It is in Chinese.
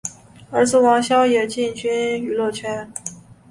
儿子王骁也进军娱乐圈。